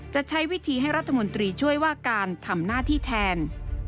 จะใช้วิธีให้รัฐมนตรีช่วยว่าการทำหน้าที่แทน